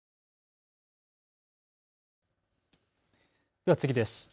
では次です。